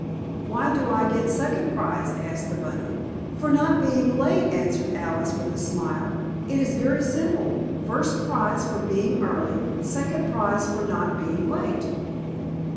"Why do I get second prize?" asked the bunny. "For not being late," answered Alice with a smile. "It is very simple. First prize for being early, second prize for not being late."